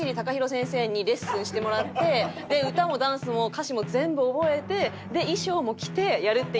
先生にレッスンしてもらってで歌もダンスも歌詞も全部覚えてで衣装も着てやるっていう。